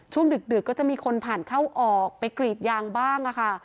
ช่วงดึกดึกก็จะมีคนผ่านเข้าออกไปกรีดยางบ้างอ่ะค่ะ